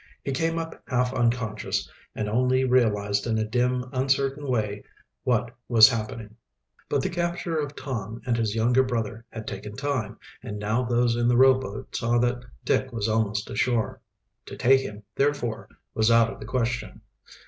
He came up half unconscious, and only realized in a dim, uncertain way what was happening. But the capture of Tom and his younger brother had taken time, and now those in the rowboat saw that Dick was almost to shore. To take him, therefore, was out of the question.